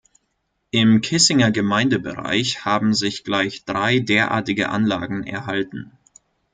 Im Kissinger Gemeindebereich haben sich gleich drei derartige Anlagen erhalten.